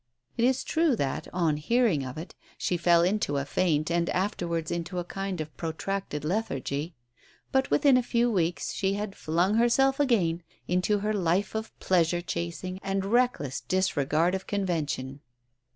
It is true that, on hearing of it, she fell into a faint and afterwards into a kind of protracted lethargy, but within a few weeks she had flung herself again into her life of pleasure chasing and reckless disregard of convention.